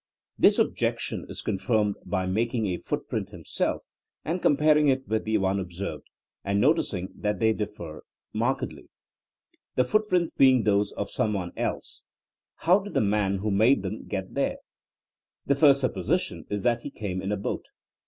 This objection is confirmed by making a footprint himself and comparing it with the one observed, and noticing that they differ markedly. The footprints being those of some one else, how did the man who made them get THINEINa AS A SOIENOE 27 there ? The first supposition is that he came in a boat.